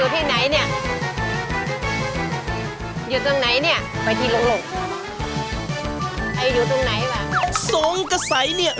แดงเหนือหัวหรืออะไรเนี่ย